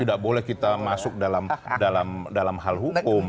tidak boleh kita masuk dalam hal hukum